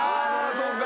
そうか。